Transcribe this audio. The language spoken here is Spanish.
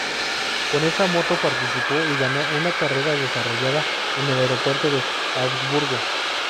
Con esa moto participó y ganó una carrera desarrollada en el aeropuerto de Augsburgo.